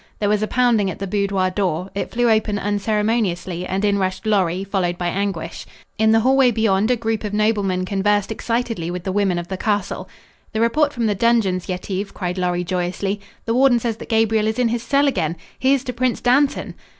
There was a pounding at the boudoir door. It flew open unceremoniously and in rushed Lorry, followed by Anguish. In the hallway beyond a group of noblemen conversed excitedly with the women of the castle. "The report from the dungeons, Yetive," cried Lorry joyously. "The warden says that Gabriel is in his cell again! Here's to Prince Dantan!"